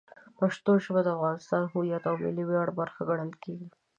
پښتو ژبه د افغانستان د هویت او ملي ویاړ برخه ګڼل کېږي.